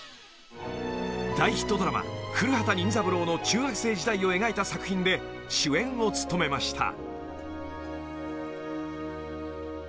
［大ヒットドラマ『古畑任三郎』の中学生時代を描いた作品で主演を務めました］